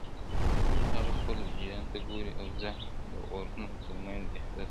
هغه خپل وجدان ته ګوري او ځان د اورونو تر منځ احساسوي،